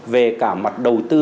về cả mặt đầu tư